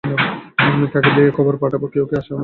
কাকে দিয়ে খবর পাঠাব, কেউ কি আসে আমার কাছে।